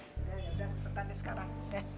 udah yaudah bertanda sekarang